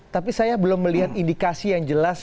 tapi saya belum melihat indikasi yang jelas